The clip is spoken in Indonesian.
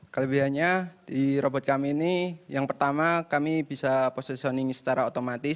kelebihannya di robot kami ini yang pertama kami bisa positioning secara otomatis